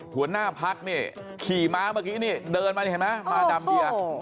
หัวหน้าพักนี่ขี่ม้าเมื่อกี้นี่เดินมานี่เห็นไหมมาดำเบียร์